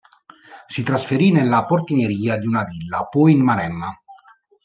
Si trasferì nella portineria di una villa, poi in Maremma.